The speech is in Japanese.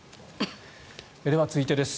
では、続いてです。